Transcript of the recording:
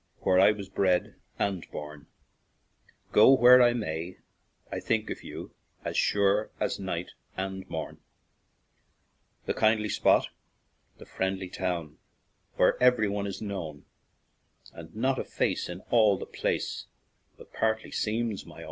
where I was bred and born; Go where I may, I'll think of you, as sure as night and morn; The kindly spot, the friendly town, where every one is known, And not a face in all the place but partly seems my own.